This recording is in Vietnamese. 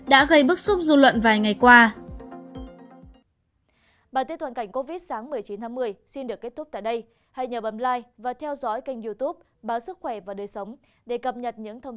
đã gây bức xúc dư luận vài ngày qua